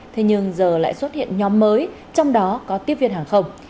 thế nhưng giờ lại xuất hiện nhóm mới trong đó có tiếp viên hàng không